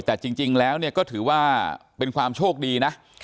แต่จริงแล้วก็ถือว่าเป็นความโชคดีนะ